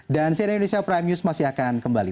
dan seri indonesia prime news masih akan kembali